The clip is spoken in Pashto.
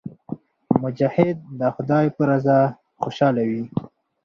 مجاهد د خدای په رضا خوشاله وي.